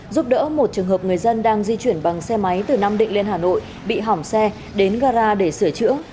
giúp đỡ một trường hợp người dân đang di chuyển bằng xe máy từ nam định lên hà nội bị hỏng xe đến gara để sửa chữa